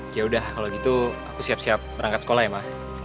yaudah kalau gitu aku siap siap berangkat sekolah ya ma